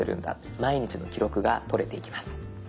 毎日の記録がとれていきます。